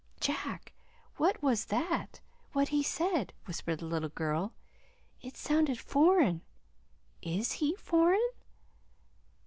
"Jack, what was that what he said?" whispered the little girl. "It sounded foreign. IS he foreign?"